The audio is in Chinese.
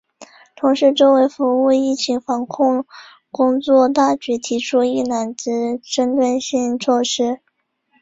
同时围绕服务疫情防控工作大局提出了“一揽子”针对性举措